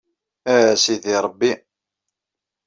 A Sidi Ṛebbi!